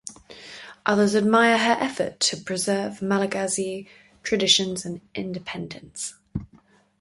Others admire her effort to preserve Malagasy traditions and independence.